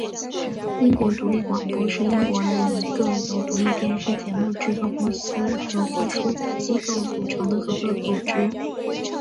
英国独立广播是英国的一个由独立电视节目制作公司和播出机构组成的合作组织。